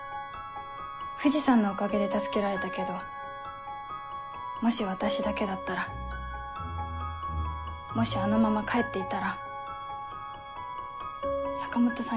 藤さんのおかげで助けられたけどもし私だけだったらもしあのまま帰っていたら坂本さん